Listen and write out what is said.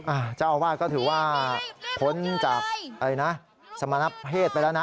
อ่าเจ้าอาวาสก็ถือว่าคนจากสมนับเพศไปแล้วนะ